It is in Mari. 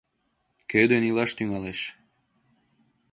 Кӧ ден илаш тӱҥалеш